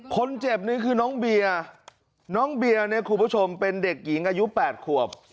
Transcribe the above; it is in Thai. คนเจ็บนี้คือน้องเบียน้องเบียเนี่ยครูประชมเป็นเด็กหญิงอายุแปดขวบ